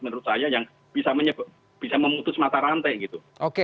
menurut saya yang bisa memutus mata rantai gitu